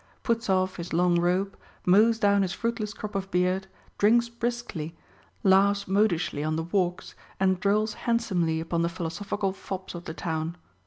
t puts off his long robe, mows down his fruitless crop of beard, drinks briskly, laughs modishly on the walks, and drolls handsomely upon the philosophical fops of the town.